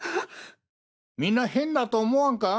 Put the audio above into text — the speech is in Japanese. みんな変だと思わんか？